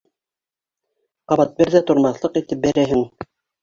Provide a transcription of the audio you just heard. Ҡабат бер ҙә тормаҫлыҡ итеп бәрәһең.